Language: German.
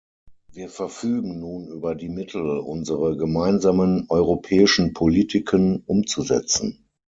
Wir verfügen nun über die Mittel, unsere gemeinsamen europäischen Politiken umzusetzen.